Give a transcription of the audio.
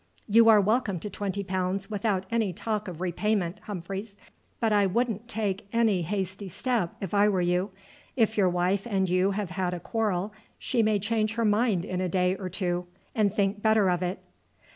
"You are welcome to twenty pounds without any talk of repayment, Humphreys. But I wouldn't take any hasty step if I were you. If your wife and you have had a quarrel she may change her mind in a day or two, and think better of it."